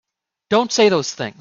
Don't say those things!